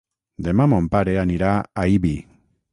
Demà mon pare anirà a Ibi.